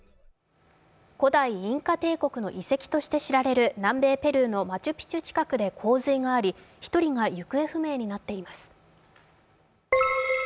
古代インカ帝国の遺跡として知られる南米ペルーのマチュピチュ近くで洪水があり、１人が行方不明となっています。